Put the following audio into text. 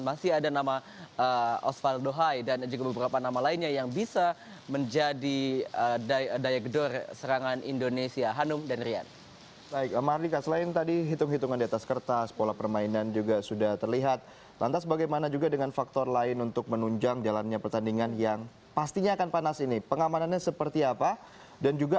masih ada nama osvaldo hai dan juga beberapa nama lainnya yang bisa menjadi diagdor serangan indonesia hanum dan rian